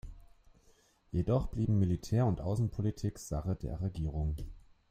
Jedoch blieben Militär und Außenpolitik Sache der Regierung.